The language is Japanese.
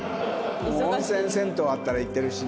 もう温泉銭湯あったら行ってるしね。